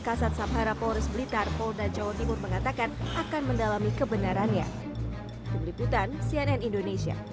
kasat sabhara polres blitar polna jawa timur mengatakan akan mendalami kebenarannya berikutan